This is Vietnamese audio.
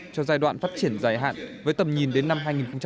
cho giai đoạn phát triển dài hạn với tầm nhìn đến năm hai nghìn bốn mươi